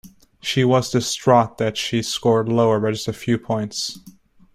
She was distraught that she scored lower by just a few points.